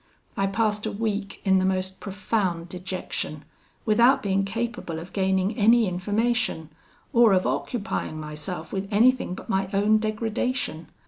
I passed a week in the most profound dejection, without being capable of gaining any information, or of occupying myself with anything but my own degradation.